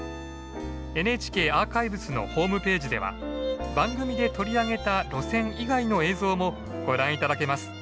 ＮＨＫアーカイブスのホームページでは番組で取り上げた路線以外の映像もご覧頂けます。